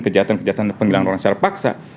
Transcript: kejahatan kejahatan penyerang orang secara paksa